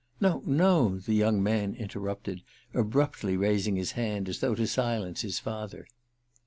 "No, no," the young man interrupted, abruptly raising his hand as though to silence his father.